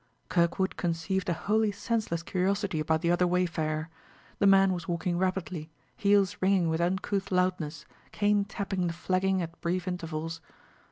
Kirkwood conceived a wholly senseless curiosity about the other wayfarer. The man was walking rapidly, heels ringing with uncouth loudness, cane tapping the flagging at brief intervals.